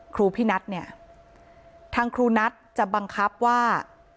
ครูพี่นัทเนี่ยทางครูนัทจะบังคับว่า